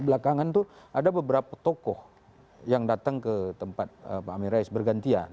belakangan itu ada beberapa tokoh yang datang ke tempat pak amin rais bergantian